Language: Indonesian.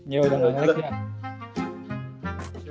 ya udah ga ngelag